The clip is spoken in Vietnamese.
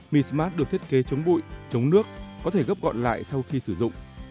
mi smart được thiết kế chống bụi chống nước có thể gấp gọn lại sau khi sử dụng